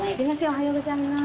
おはようございます。